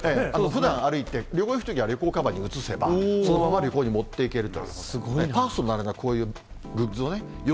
ふだん歩いて、旅行行くときは旅行かばんに移せば、そのまま旅行に持っていけるという。